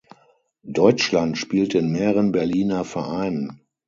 Deutschland spielte in mehreren Berliner Vereinen.